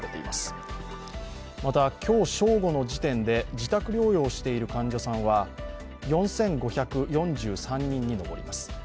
また、今日正午の時点で自宅療養している患者さんは４５４３人に上ります。